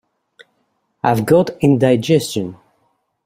I've got indigestion.